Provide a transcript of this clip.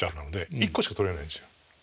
１個しか取れないんですよ。